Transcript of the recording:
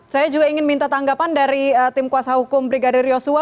saya juga ingin minta tanggapan dari tim kuasa hukum brigadir yosua